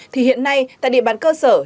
thì hiện nay tại địa bàn cơ sở